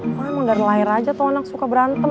kalau emang dari lahir aja tuh anak suka berantem